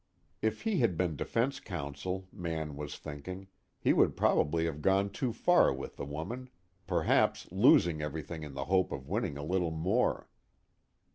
If he had been defense counsel, Mann was thinking, he would probably have gone too far with the woman, perhaps losing everything in the hope of winning a little more.